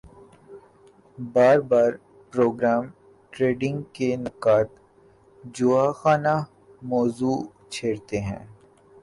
باربار program trading کے نقّاد جواخانہ موضوع چھیڑتے ہیں